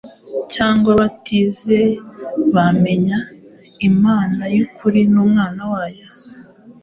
cyangwa batigeze bamenya Imana y’ukuri n’Umwana wayo.